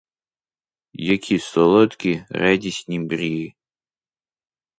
Які солодкі, радісні мрії!